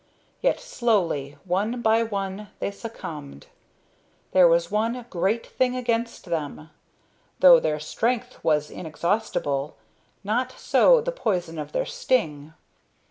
Yet, slowly, one by one, they succumbed. There was one great thing against them. Though their strength was inexhaustible, not so the poison of their sting.